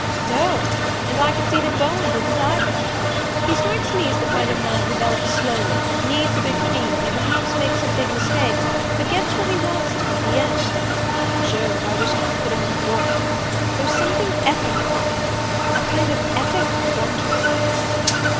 "No; and I could see that Bowen didn't either. He strikes me as the kind of man who develops slowly, needs a big field, and perhaps makes some big mistakes, but gets where he wants to in the end. Jove, I wish I could put him in a book! There's something epic about him a kind of epic effrontery."